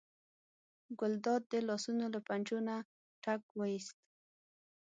ګلداد د لاسونو له پنجو نه ټک وویست.